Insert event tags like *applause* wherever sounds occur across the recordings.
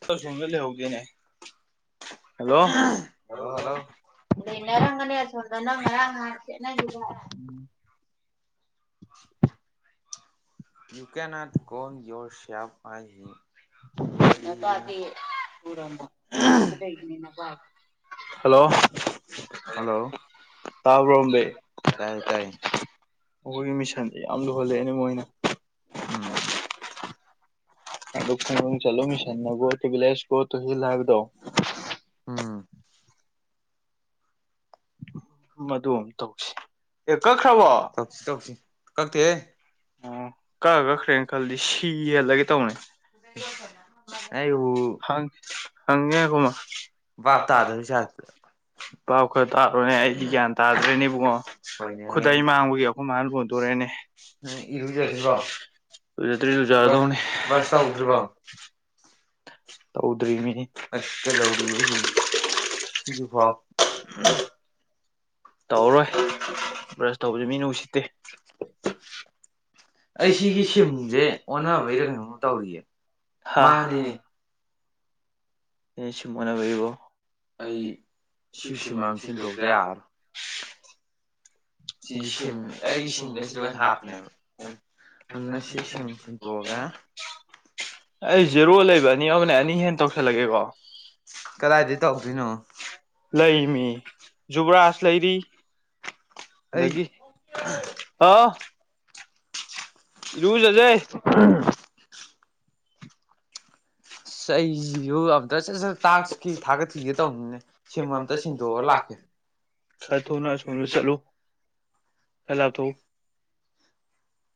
ꯇ ꯁꯁꯤꯡꯚꯂ ꯍꯧꯒꯦꯅꯦ *unintelligible* hello hello ꯑꯗ ꯅꯔꯪꯒꯅꯦ ꯁꯣꯗ ꯅꯪꯉꯔꯥꯡꯠꯁꯤꯕ ꯌꯨ ꯀꯦ ꯅꯣꯠ ꯣ ꯌꯔ ꯁꯦꯕ ꯑꯥꯏ ꯍꯤ ꯅ ꯇ ꯑꯗꯤ ꯄꯨꯔꯅ ꯍꯜꯂꯣ ꯍꯜꯂꯣ ꯇꯥꯕ꯭ꯔꯣ ꯑꯝꯕꯤ ꯇꯥꯏꯌꯦ ꯇꯥꯏ ꯑꯩꯈꯣꯏꯒꯤ ꯃꯤꯁꯟꯗꯤ ꯌꯥꯝ ꯂꯨꯍꯜꯂꯛꯑꯦꯅꯦ ꯃꯣꯏꯅ ꯎꯝ ꯑꯗꯨ ꯐ ꯆꯂꯨ ꯃꯤꯁꯅꯒꯣ ꯇꯕꯤꯂꯁ ꯀꯣ ꯇꯍꯤ ꯂꯥꯏꯕꯗꯣ ꯎꯝ ꯃꯗꯨꯝ ꯇꯧꯁꯤ ꯑꯦ ꯀꯛꯈ꯭ꯔꯕꯣ ꯇꯧꯁꯤ ꯇꯧꯁꯤ ꯀꯛꯇꯦꯍꯦ ꯑꯣ ꯀꯛ ꯀꯛꯈ꯭ꯔꯦꯅ ꯈꯜꯜꯂꯤ ꯁꯤ ꯊꯂꯒ ꯇ ꯍꯧꯅꯦ ꯑꯩꯕꯨ ꯍꯪ ꯍꯪꯒꯦ ꯀꯃꯥ ꯚꯥꯞ ꯇꯥꯗꯕꯩ ꯁꯥꯏꯠꯇ ꯄꯥꯎꯈꯠ ꯇꯥꯔꯣꯏꯅꯦ ꯑꯩꯗꯤ ꯒ꯭ꯌꯥꯟ ꯇꯥꯗ꯭ꯔꯦꯅꯦꯕꯨꯡꯉꯣ ꯍꯣꯏꯅꯦ ꯈꯨꯗꯩ ꯍꯣꯏꯅꯦ ꯃꯥꯡꯕꯒꯤ ꯑꯩꯈꯣꯏ ꯃꯥꯅ ꯂꯣꯟꯗꯣꯔꯦꯅꯦ ꯅꯪ ꯏꯔꯨꯖꯗ꯭ꯔꯤꯕꯣ ꯕ꯭ꯔꯁ ꯔꯤꯗ ꯑꯁꯀꯗꯧ ꯀꯁꯨ ꯐꯥꯎꯥꯎ ꯇꯧꯔꯣꯏ ꯕ꯭ꯔꯁ ꯇꯧꯕꯁꯤꯦ ꯃꯤ ꯅꯨꯡ ꯎꯁꯤꯠꯇꯦ *inaudible* ꯑꯩ ꯁꯤꯒꯤ ꯁꯔꯁꯦ ꯑꯣꯟꯅꯅꯕꯩꯗ ꯀꯩꯅꯣꯝꯃ ꯇꯧꯔꯤꯌꯦ ꯍꯥ ꯃꯥꯅꯤꯅꯦ ꯌꯦꯁꯨ ꯃꯅ ꯑꯣꯏꯔꯤꯕꯣ ꯑꯩ ꯁꯤ ꯁꯤꯝ ꯁꯤꯁꯤꯃꯝ ꯑꯃ ꯁꯤꯟꯗꯣꯛꯄ ꯁꯤꯟꯗꯣꯛꯇ ꯌꯥꯕ ꯌꯥꯔꯔꯣꯏ ꯁꯤ ꯁꯦ ꯁꯤꯝ ꯑꯩꯒꯤ ꯁꯤ ꯁꯤꯝꯗ ꯁꯤꯗ ꯑꯣꯏꯅ ꯍꯥꯞꯅꯦ ꯍꯥꯞꯄꯅꯦꯕ ꯑꯗꯨ ꯍ ꯉꯁꯤ ꯁꯦꯝ ꯁꯤꯕ ꯁꯦꯝꯇꯣꯛꯑꯒ ꯑꯩ ꯖꯦꯔꯣ ꯂꯩꯕ ꯑꯅꯤ ꯑꯃꯅꯦ ꯑꯅꯤ ꯍꯦꯟꯅ ꯇꯧꯁꯜꯂꯒꯦꯀꯣ ꯀꯗꯥꯏꯗꯩ ꯇꯧꯗꯣꯏꯅꯣ ꯂꯩ ꯃꯤ ꯖꯨꯕ꯭ꯔꯥꯁ ꯂꯩꯔꯤ *inaudible* ꯑꯩ ꯑꯥ ꯏꯔꯨꯖꯖꯩ ꯎꯝ ꯁꯩꯣ ꯗ ꯆꯠ ꯇꯥꯛꯈꯤ ꯊꯥꯒꯠꯈꯤꯒꯦ ꯇꯧꯕꯅꯤꯅꯦ ꯁꯦꯝꯕ ꯑꯝꯇ ꯁꯤꯟꯗꯣꯛꯑ ꯂꯥꯛꯀꯦ ꯈ ꯊꯨꯅ ꯁꯨꯅ ꯆꯂꯨ ꯐꯂꯄꯣ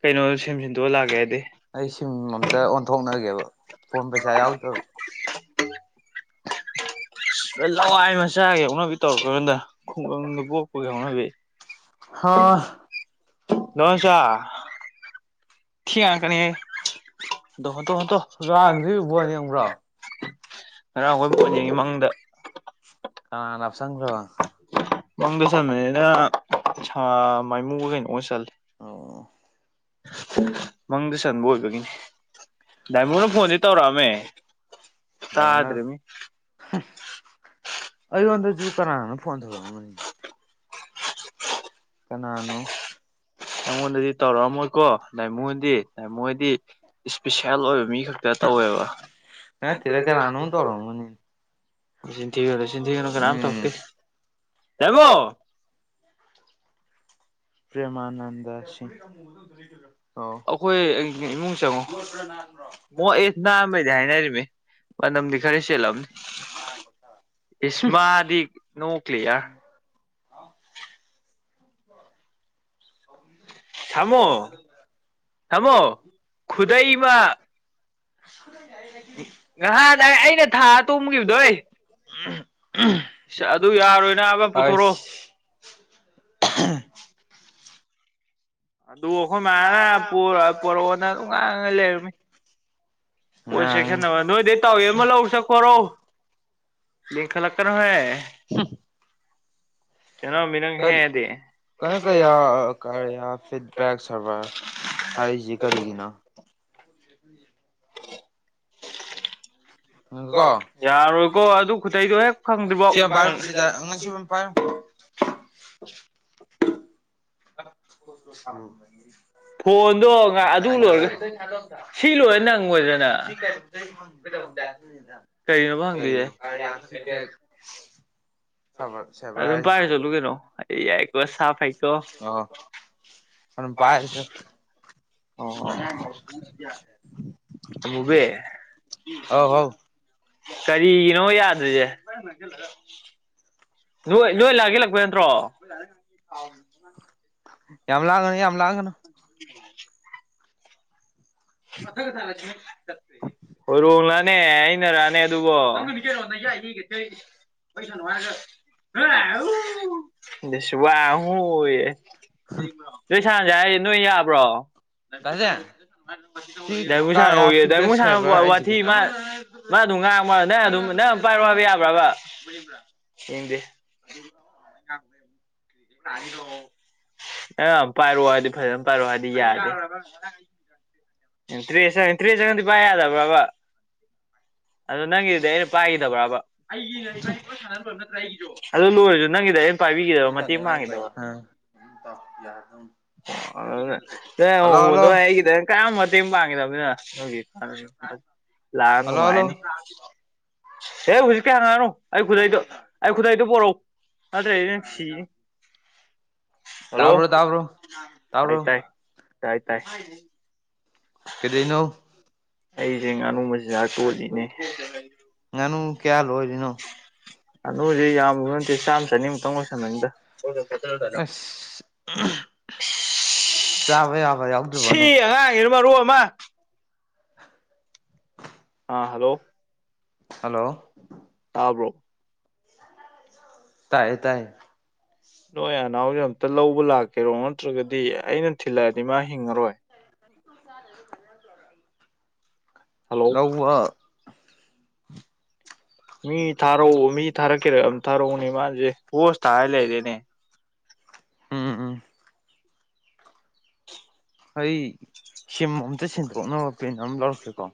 ꯀꯩꯅꯣ ꯁꯦꯝ ꯁꯤꯟꯗꯣꯛꯑ ꯂꯥꯛꯀꯦ ꯍꯥꯏꯗꯤ ꯑꯩ ꯁꯤꯝ ꯑꯝꯇ ꯑꯣꯟꯊꯣꯛꯅꯒꯦꯕ ꯄꯁꯥꯏ ꯌꯥꯎꯛꯇ ꯂꯋꯥꯏ ꯃꯆꯥꯒꯤ ꯍꯧꯅꯕꯤ ꯇꯧꯔ ꯀꯥꯟꯗ ꯈꯨꯡꯒꯪꯗ ꯄꯣꯛꯄꯒꯤ ꯍꯧꯅꯕꯤ ꯍꯥ ꯅꯉꯁꯥ ꯊꯤ ꯀꯅꯤ ꯇꯍꯣ ꯇꯍ ꯇꯣ ꯉꯔꯥꯡꯗꯤ ꯕꯣꯜ ꯌꯦꯡꯕ꯭ꯔꯣ ꯉꯔꯥꯡ ꯑꯩꯈꯣꯏ ꯄꯣꯠꯅꯤꯡꯉꯩ ꯃꯅꯨꯡꯗꯗ ꯀꯅ ꯅꯪꯗ ꯁꯝꯃꯦ ꯑꯩꯅ ꯃꯥꯏꯃꯨꯒ ꯀꯩꯅꯣ ꯑꯣꯏ ꯆꯂꯦ ꯑꯣ ꯃꯪꯗ ꯁꯟꯕ ꯑꯣꯏꯕꯒꯤꯅꯤ ꯗꯥꯏꯃꯣꯟꯅ ꯐꯣꯟꯁꯦ ꯇꯧꯔꯛꯑꯝꯃꯦ ꯗꯥꯏꯃꯟꯅ ꯇꯥꯗ꯭ꯔꯤ ꯃꯤ ꯑꯩꯉꯣꯟꯗꯁꯨ ꯀꯅꯥꯅꯣ ꯐꯣꯟ ꯇꯧꯔꯛꯑꯝꯕꯅꯤ *inaudible* ꯀꯅꯥꯅꯣ *inaudible* ꯑꯩꯉꯣꯟꯗꯗꯤ ꯇꯧꯔꯛꯑꯝꯃꯣꯏꯀꯣ ꯃꯣꯟꯗꯤ ꯃꯣꯏꯗꯤ ꯏꯁꯄꯤꯁꯦꯜ ꯑꯣꯏꯕ ꯃꯤ ꯈꯛꯇ ꯇꯧꯋꯦꯕ ꯅꯠꯇꯦꯗ ꯁꯤꯔꯁ ꯑꯅꯗ ꯀꯅꯥꯅꯣꯝ ꯇꯧꯔꯛꯑꯝꯕꯅꯤ ꯑꯣꯏ ꯆꯊꯤꯒꯅꯨ ꯆꯟꯊꯤꯒꯅꯨ ꯀꯅꯥꯝ ꯊꯧꯀꯤ ꯎꯝ ꯌꯥꯕꯣ ꯄꯦꯃꯅꯗꯁꯤ ꯑꯩꯈꯣꯏ ꯏꯃꯨꯡ ꯆꯪꯉꯣ ꯃꯣꯏ ꯑꯦ ꯅꯥꯃꯩꯗꯤ ꯍꯥꯏꯅꯔꯤꯃꯤ ꯃꯅꯝꯗꯤ ꯈꯔ ꯃꯤꯈꯔꯁꯤ ꯆꯦꯜꯂꯝꯅꯤ ꯏꯁ ꯃꯥꯗꯤ ꯅꯣ ꯀ꯭ꯂꯤꯌꯥꯔ *inaudible* ꯍ ꯊꯃꯣ ꯊꯝꯃꯣ ꯊꯃꯣ ꯊꯝꯃꯣ ꯈꯨꯗ ꯃꯥ ꯈꯨꯗꯩꯃ ꯑꯩꯅ ꯉꯍꯥꯟ ꯑꯩꯅ ꯊ ꯊꯥꯔ ꯇꯨꯝꯈꯤꯕꯗꯣꯏ ꯏꯁ ꯑꯗꯨ ꯌꯥꯔꯣꯏ ꯅꯥꯕ ꯑ ꯄꯨꯊꯣꯔꯛꯑꯣ ꯑꯗꯨ ꯑꯩꯈꯣꯏ ꯃꯥꯅ ꯄꯣꯔꯛꯑꯣꯅ ꯑꯗꯨꯝ ꯉꯥꯡꯉꯒ ꯂꯩꯔꯝꯃꯤ ꯑꯣꯁꯦ ꯈ ꯀꯩꯅꯣ ꯅ ꯅꯣꯏꯗꯦ ꯇꯥꯎꯃ ꯂꯧꯥꯎ ꯁ ꯈꯣꯔꯣ ꯂꯤꯤꯡ ꯈꯂꯥꯛꯀꯅꯍꯣꯏ ꯇꯩꯅꯣ ꯃꯤꯅꯪ ꯍꯦꯗꯤ ꯀꯩꯅ ꯀ ꯀ ꯐꯤꯠꯕꯦꯛ ꯁꯔꯚ ꯍꯥꯏꯁꯦ ꯀꯔꯤꯒꯤꯅ ꯀꯣ ꯌꯥꯔꯣꯏꯀꯣ ꯑꯗꯨ ꯈꯨꯇꯩꯗꯣ ꯍꯦꯛ ꯐꯪꯗ꯭ꯔꯤꯕꯣ ꯁꯤ ꯑꯃ ꯄꯥꯏꯔꯣ ꯁꯤꯗ ꯉꯁꯤ ꯑꯃ ꯄꯥꯏꯔꯣ *inaudible* *inaudible* ꯑ *inaudible* ꯐꯣꯟꯗꯣ ꯉ ꯑꯗꯨ ꯂꯣꯏꯔꯒ ꯁꯤ ꯂꯣꯏꯔ ꯅꯪꯉꯣꯏꯗꯅ ꯀ ꯀ ꯌꯥ ꯑꯗꯨꯝ ꯄꯥꯏꯔ ꯆꯂꯨ ꯀꯩꯅꯣ ꯑꯦ ꯌꯥꯏ ꯀꯣ ꯆꯐ ꯍꯥꯏꯥꯏꯀꯣ ꯑ ꯑ ꯄꯔꯁ ꯑꯣ ꯍꯧ ꯍꯧ ꯀꯔꯤꯅꯣ ꯌꯥꯗ꯭ꯔꯤꯁꯦ ꯅꯣꯏ ꯅꯣꯏ ꯂꯥꯛꯑꯒꯦ ꯂꯥꯛꯄ ꯅꯠꯇ꯭ꯔꯣ ꯌꯥꯝ ꯂꯒꯅ ꯌꯥꯝ ꯂꯒꯅ *inaudible* *inaudible* ꯅꯦ ꯑꯩꯅꯔꯥꯅꯦ ꯑꯗꯨꯕꯣ ꯁꯕ ꯑꯍꯨ ꯅꯣꯏꯁꯥꯟꯅꯁꯦ ꯍꯥꯏ ꯅꯣꯏ ꯌꯥꯕ꯭ꯔꯣ ꯅ ꯗꯥ ꯖꯦ ꯗꯨ ꯁꯤ ꯁꯔ ꯀꯔꯌꯥ ꯐꯤꯗꯕꯦꯛ ꯗꯦꯡꯒꯨ ꯁꯔ ꯋꯥ ꯁꯔꯚꯔ ꯍꯥꯏꯁꯤ ꯀꯩꯅꯣ ꯃꯥ ꯃꯥ ꯑꯗꯨꯝ ꯉꯥꯡꯃꯣ ꯅꯪ ꯑꯗꯨꯝ ꯅꯪ ꯄꯥꯏꯔꯣ ꯍꯥꯏꯕ ꯌꯥꯕ꯭ꯔꯥꯕ ꯍꯗꯤꯅꯤ ꯑ ꯄꯥꯏꯔꯑꯣꯗꯤ ꯐꯖꯅ ꯄꯥꯏꯔꯗꯤ ꯌꯥꯗꯦ ꯇꯦ ꯇꯦ ꯆꯗꯤ ꯄꯥꯏ ꯌꯥꯗꯕ ꯕ ꯑꯗꯨꯗꯣ ꯅꯪꯒꯤꯗ ꯑꯩꯅ ꯄꯥꯏꯈꯤꯗꯕ꯭ꯔꯕ ꯑꯩꯒꯤ ꯅꯠꯇ꯭ꯔ ꯑꯩꯒꯤꯁꯨ ꯑꯗꯨ ꯂꯣꯏꯔꯁꯨ ꯅꯪꯒꯤꯗꯤ ꯄꯥꯏꯕꯤꯒꯗꯕ ꯃꯇꯦꯡ ꯄꯥꯡꯈꯤꯗꯕ ꯑ ꯍꯜꯂꯣ ꯍꯜꯂꯣ ꯍꯗ ꯍꯥꯏ ꯀꯗ ꯀ ꯃꯇ ꯄꯥꯡꯈꯤꯗꯕꯅꯤꯅꯒꯤ ꯂꯥꯛꯑ ꯍꯜꯂꯣ ꯅꯨꯡꯉꯥꯏꯅꯤ ꯍꯜꯂꯣ ꯍꯦ ꯍꯧꯖꯤꯛꯀꯤ ꯍꯪꯉꯛꯅꯨ ꯑꯩ ꯈꯨꯗꯩꯗꯣ ꯑꯩ ꯈꯨꯗꯩꯗꯣ ꯄꯣꯔꯛꯎ ꯑꯗꯨꯗ꯭ꯔꯦ ꯌꯦꯟꯁꯤꯤ ꯍꯜꯂꯣ ꯇꯥꯕ꯭ꯔꯣ ꯇꯥꯕ꯭ꯔꯣ ꯇꯥꯏ ꯇꯥꯕ꯭ꯔꯣ ꯇꯥꯏ ꯇꯥꯏ ꯇꯥꯏ ꯀꯗꯩꯅꯣ ꯑꯩꯁꯦ ꯉꯥꯅꯨꯕꯁꯤꯗꯥꯛ ꯇꯣꯜꯂꯤꯅꯦ ꯉꯅ ꯀꯌꯥꯜ ꯑꯣꯏꯔꯤꯅꯣ ꯅ ꯍꯧꯖꯤꯦ ꯌꯥꯝ ꯆꯝ ꯆ ꯅꯤꯡ ꯇꯪꯉꯣꯁ ꯅ ꯑ ꯌꯥꯕꯦ ꯑꯕꯥꯎ ꯁꯤ ꯑꯉꯥꯡ ꯌꯦꯅ ꯃꯔ ꯔꯨ ꯑꯃ ꯑꯥ ꯍꯜꯂꯣ ꯍꯜꯂꯣ ꯇꯕ꯭ꯔꯣ ꯇꯥꯏꯥꯏ ꯇꯥꯏ ꯅꯣꯏ ꯅꯅꯥꯎꯁ ꯑꯝꯇ ꯂꯧꯕ ꯂꯥꯛꯀꯦꯔꯣ ꯅꯠꯇ꯭ꯔꯒꯗꯤ ꯑꯩꯅ ꯊꯤꯜꯂꯛꯑꯗꯤ ꯃꯥ ꯍꯤꯡꯉꯔꯣꯏ ꯍꯜꯂꯣ ꯂꯧꯕ ꯃꯤ ꯊꯥꯔꯛꯎ ꯃꯤ ꯊꯥꯔꯛꯀꯦꯔ ꯑꯗꯨꯝ ꯊꯥꯔꯛꯎꯅꯦ ꯃꯥꯁꯦ ꯍꯣꯁ ꯇꯥꯔ ꯂꯩꯔꯦꯅꯦ ꯎꯝ ꯎꯝ ꯑꯩ ꯁꯤ ꯑꯝꯇ ꯁꯦꯡꯗꯣꯛꯅꯕ ꯄꯦꯟ ꯑꯃ ꯂꯧꯔꯛꯀꯦꯀꯣ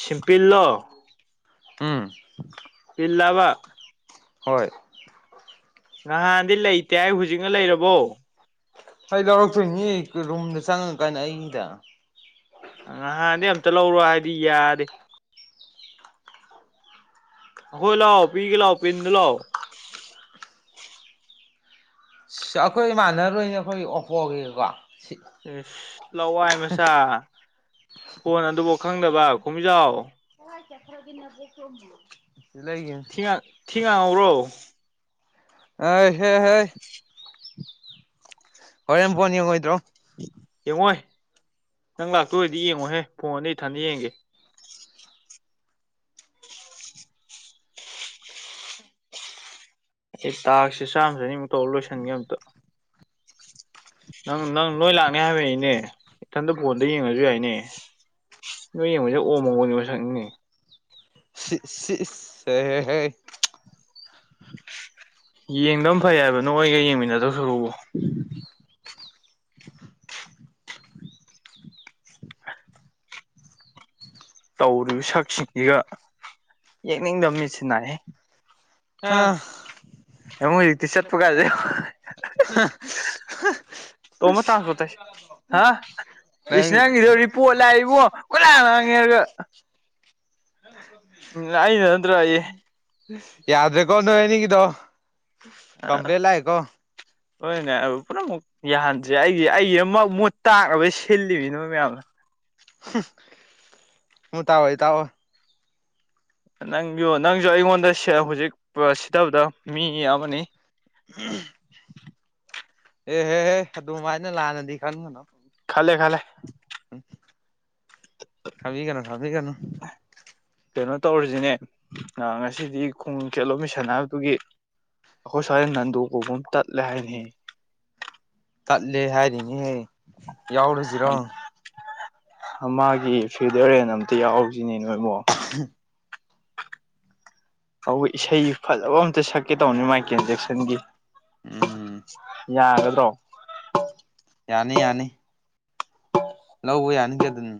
ꯁꯤꯄꯜꯂ ꯎꯝ ꯜ ꯂꯕ ꯍꯣꯏ ꯅꯍꯥꯟꯗꯤ ꯂꯩꯇꯦ ꯍꯥꯏ ꯍꯧꯖꯤꯛꯅ ꯂꯩꯔꯕꯣ ꯍ ꯂꯧꯔꯛꯇꯣꯏꯅꯤ ꯔꯨꯝꯗ ꯆꯪꯉ ꯀꯥꯏꯅ ꯑꯩꯗ ꯅꯍꯥꯟꯗꯤ ꯑꯝꯇ ꯂꯧꯔꯣ ꯍꯥꯏꯗꯤ ꯌꯥꯔꯦ ꯍꯣꯏ ꯂꯥꯎꯑꯣ ꯄꯤꯒ ꯂꯥꯎꯑꯣ ꯄꯤꯙ ꯂꯑꯣ ꯑꯩꯈꯣꯏ ꯏꯃꯥꯟꯅꯔꯣꯏꯅꯦ ꯑꯩꯈꯣꯏ ꯑꯣꯞꯄꯣꯒꯤꯀꯣ ꯁꯤ ꯑꯦꯁ ꯂꯋꯥꯏ ꯃꯆꯥ ꯐꯣꯟ ꯑꯗꯨꯐꯥꯎ ꯈꯪꯗꯕ ꯀꯨꯝꯃꯤꯖꯥꯎ ꯍꯦ ꯈ꯭ꯔꯒꯤꯅ ꯊꯤꯉ ꯊꯤꯉꯥꯡꯧꯔꯣ ꯑ ꯍꯦ ꯍꯩ ꯍꯔꯦꯝ ꯐꯣꯅꯤ ꯌꯦꯡꯉ ꯑꯣꯏꯣꯏꯗ꯭ꯔꯣ ꯀꯉꯣꯏ ꯅꯪ ꯂꯥꯛꯇꯣꯏꯔꯗꯤ ꯌꯦꯡꯉꯣꯍꯦ ꯐꯣꯟꯗ ꯏꯊꯗ ꯌꯦꯡꯒꯦ ꯑꯩ ꯇꯥꯛꯁꯤ ꯆꯥꯝꯃꯗ ꯑꯅꯤꯃꯨꯛ ꯇꯧ ꯂꯣꯏꯁꯤꯟꯒꯦ ꯑꯝꯇ ꯅꯪ ꯅꯪ ꯅꯣꯏ ꯂꯥꯛꯅꯤ ꯍꯥꯏꯕꯏꯅꯦ ꯏꯊꯟꯇ ꯐꯣꯟꯗ ꯌꯦꯡꯉꯁꯨ ꯌꯥꯏꯅꯦ ꯅꯣꯏ ꯌꯦꯡꯕꯁꯦ ꯑꯣ ꯃꯃꯅꯤ ꯃ ꯁꯛꯅꯤꯅꯦ ꯁꯤ ꯁꯤ ꯌꯦꯡꯗꯧ ꯑꯃ ꯐꯩ ꯍꯥꯏꯕ ꯅꯣꯏꯣꯏꯒ ꯌꯦꯡꯃꯤꯟꯅꯗꯧ ꯁꯨꯔꯨꯎ *inaudible* ꯇꯧꯔꯨ ꯁꯛꯁꯤꯡꯁꯤꯒ ꯌꯦꯛꯅꯤꯡꯗꯕ ꯃꯤꯠꯁꯤ ꯅꯥꯏꯑꯦ ꯍꯥꯥ ꯑꯃꯃꯛ ꯍꯧꯖꯤꯛꯇꯤ ꯆꯠꯄ ꯀꯥꯁꯦ ꯇꯣꯝꯕ ꯇ꯭ꯔꯥꯟꯁꯄꯣꯔꯠ ꯇꯧꯁꯦ ꯍꯥ ꯏ ꯅꯪ ꯅꯪꯒꯤꯗꯣ ꯔꯤꯄꯣꯠ ꯂꯥꯛꯏꯕꯣ ꯀꯠꯂ ꯔꯦꯒ ꯑꯏ ꯅꯠꯇ꯭ꯔꯏ ꯌꯥꯗ꯭ꯔꯦ ꯀꯣꯅꯦꯅꯤ ꯀꯗꯣ ꯀꯝꯄ꯭ꯂꯦꯟ ꯂꯑ ꯀꯣ ꯍꯣꯏꯅꯦ ꯄꯨꯝꯅꯃꯛꯨ ꯌꯥꯍꯟꯁꯦ ꯑꯩꯒꯤ ꯑꯩꯒꯤ ꯑꯃ ꯃꯣꯠ ꯇꯥꯛꯕ ꯁꯤꯜꯂꯤꯃꯤꯅꯣ ꯃꯌꯥꯝꯅ ꯍ ꯇꯑꯣꯏ ꯇꯣ ꯅꯪꯁꯨ ꯅꯪꯁꯨ ꯑꯩꯉꯣꯟꯗ ꯍꯧꯖꯤꯛ ꯁꯤꯊꯕꯗ ꯃꯤ ꯑꯃꯅꯤ ꯎꯝ *inaudible* ꯑꯦꯍꯦꯍꯦ ꯑꯗꯨꯃꯥꯏꯅ ꯂꯥꯟꯅꯗꯤ ꯈꯟꯒꯅꯣ ꯈꯂꯦ ꯈꯂꯦ ꯁꯕꯤ ꯀꯅ ꯈꯕꯤ ꯀꯅ ꯀꯩꯅꯣ ꯇꯧꯔꯤꯁꯤꯅꯦ ꯉꯁꯤꯗꯤ ꯈꯣꯡ ꯈꯦꯠꯂꯣ ꯃꯤꯁꯟ ꯍꯥꯏꯕꯗꯨꯒꯤ ꯑꯩꯈꯣꯏ ꯁꯔꯦꯟ ꯅꯟꯗꯨ ꯀꯧꯕꯣꯕꯨꯝ ꯇꯠꯂꯦ ꯍꯥꯏꯅꯤ ꯀꯠꯂꯦ ꯍꯥꯏꯔꯤꯉꯍꯦ ꯌꯥꯎꯔꯨꯁꯤꯔꯣ ꯃꯥꯒꯤ ꯐꯤꯗꯔꯦꯟ ꯑꯝꯇ ꯌꯥꯎꯁꯤꯅꯦ ꯅꯣꯏ ꯏꯃꯣ ꯍ ꯏꯁꯩ ꯐꯖꯕ ꯑꯝꯇ ꯁꯛꯀꯦ ꯇꯧꯕꯅꯤ ꯃꯥꯏꯀꯦꯟꯖꯦꯛꯁꯟꯒꯤ ꯎꯝ ꯌꯥ ꯑꯗꯨꯗ꯭ꯔꯣ ꯌꯥꯅꯤ ꯌꯥꯅꯤ ꯂꯧꯕ ꯌꯥꯅꯤꯒꯦ ꯑꯗꯨꯅꯤ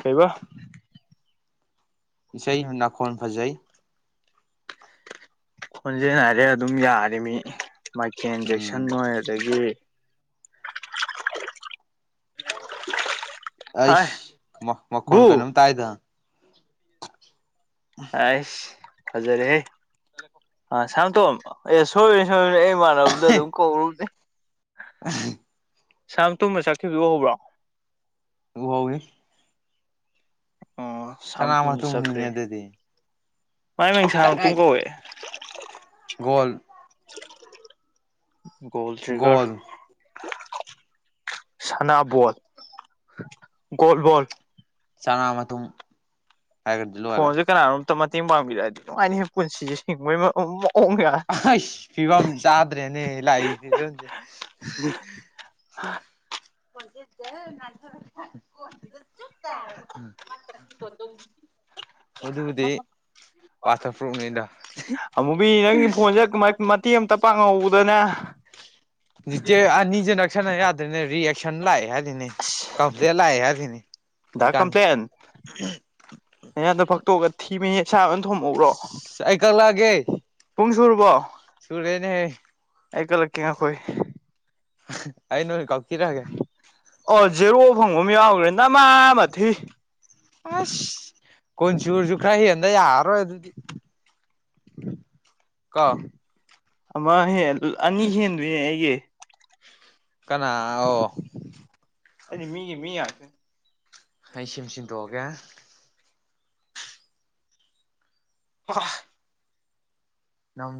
ꯀꯩꯕ ꯏꯁꯩ ꯅꯥꯀꯣꯟ ꯐꯖꯩ ꯍꯣꯟꯖꯦꯜ ꯍꯥꯏꯔꯦ ꯑꯗꯨꯝ ꯌꯥꯔꯤꯃꯤ ꯃꯥꯏꯊꯦꯟꯖꯦꯛꯁꯟ ꯎꯝ ꯑꯣꯏ ꯑꯗꯒꯤ ꯍꯥꯏ ꯑꯩꯁ ꯕꯨ ꯃꯈꯣꯟ ꯀꯩꯅꯣꯝꯇꯥꯏꯗ ꯑꯁ ꯐꯖꯔꯦꯍꯦ ꯑ ꯁꯝꯇꯣ ꯑꯦ ꯁꯣꯏ ꯁꯣꯏ ꯏꯃꯥꯟꯅꯕꯗ ꯑꯗꯨꯝ ꯀꯧꯔꯨꯕꯅꯦ *inaudible* ꯁꯝ ꯇꯨꯝꯕ ꯆꯠꯈꯤꯕ ꯍꯧꯕ꯭ꯔꯣ ꯍꯋꯦ *unintelligible* ꯑꯣ ꯁꯥꯝ ꯆꯅꯥ ꯑꯃ ꯆꯠꯈ꯭ꯔꯦ ꯇꯅꯤꯅꯦꯗꯗꯤ *inaudible* ꯒꯣꯜ ꯒꯣꯜ ꯇ꯭ꯔꯤꯒꯔ ꯒꯣꯜ ꯁꯅꯥꯕꯣ ꯒꯣꯜꯕꯣꯜ ꯆꯅꯥꯨꯝ ꯍꯥꯏꯒꯗꯤ ꯂꯨꯔꯦ ꯐꯣꯟꯁꯦ ꯀꯅꯥꯅꯣꯝꯇ ꯃꯇꯦꯡ ꯄꯥꯡꯕꯤꯔꯛꯑꯗꯤ ꯅꯨꯡꯉꯥꯏꯅꯤ ꯍ ꯄꯨꯟꯁꯤꯁꯦ ꯍꯤꯡꯕꯒꯤ ꯑ ꯐꯤꯕꯝ ꯆꯥꯗ꯭ꯔꯦꯅꯦ ꯂꯥꯛꯗꯤ *inaudible* *inaudible* ꯃꯕꯨꯗꯤ ꯋꯥꯇꯔ ꯄ꯭ꯔꯨꯨꯞꯅꯦꯗ ꯑꯃꯨꯕꯤ ꯅꯪꯒꯤ ꯐꯣꯟꯁꯦ ꯀꯃꯥꯏ ꯃꯇꯦꯛ ꯑꯃꯇ ꯄꯥꯡꯉꯧꯕꯗꯅꯦ ꯆꯦ ꯑꯅꯤꯖ ꯅꯛꯁꯟꯅ ꯌꯥꯗ꯭ꯔꯦꯅꯦ ꯔꯤꯌꯦꯁꯟ ꯂꯥꯛꯑꯦ ꯍꯥꯏꯦ ꯁꯤꯅꯦ ꯀꯝꯔ ꯂꯥꯑ ꯍꯥꯏ ꯁꯤꯅꯦ ꯗ ꯀꯝꯄ꯭ꯂꯦꯟ *inaudible* ꯑꯩꯍꯟꯗ ꯐꯛꯇꯣꯛꯑꯒ ꯊꯤꯕ ꯁꯥꯥꯕ ꯑꯣꯏꯅ ꯊꯣꯃꯛꯎ꯭ꯔꯣ ꯑꯩ ꯄꯨꯡ ꯁꯨꯨꯔꯕꯣ ꯁꯨꯨꯔꯦꯅꯦ ꯑꯩ ꯀꯠꯂꯛꯀꯦ ꯑꯩꯈꯣꯏ ꯑꯩꯅꯣ ꯀꯥꯎ ꯑꯣ ꯖꯦꯔꯣ ꯐꯪꯕ ꯑꯃ ꯌꯥꯎꯈ꯭ꯔꯦ ꯅꯃꯥ ꯃꯊꯤ ꯑꯁ ꯀꯣꯟꯆꯨꯔꯁꯨ ꯈꯔ ꯍꯦꯟꯕ ꯌꯥꯔꯔꯣꯏ ꯑꯗꯨꯗꯤ ꯀꯣ ꯑꯃ ꯍꯦ ꯑꯅꯤ ꯍꯦꯟꯗꯨ ꯑꯩꯦ ꯀꯅꯥ ꯑꯣ ꯑꯩꯗꯤ ꯃꯤꯒꯤ ꯃꯤ ꯉꯥꯛꯇ ꯑꯩ ꯁꯤꯝ ꯁꯤꯟꯗꯣꯛꯑꯒꯦ ꯍ